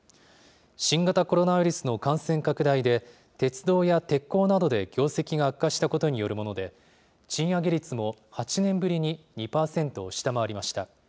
新型コロナウイルスの感染拡大で、鉄道や鉄鋼などで業績が悪化したことによるもので、賃上げ率も８年ぶりに２％を下回りました。